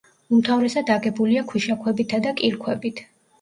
უმთავრესად აგებულია ქვიშაქვებითა და კირქვებით.